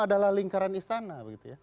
adalah lingkaran istana